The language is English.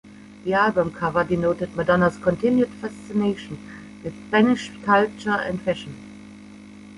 The album cover denoted Madonna's continued fascination with Spanish culture and fashion.